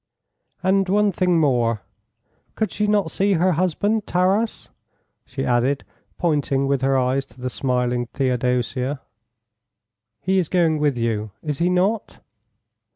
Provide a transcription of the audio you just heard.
"And one thing more; could she not see her husband, Taras?" she added, pointing with her eyes to the smiling Theodosia. "He is going with you, is he not?"